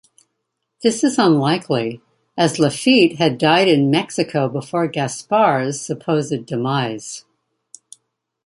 This is unlikely, as Lafitte had died in Mexico before Gaspar's supposed demise.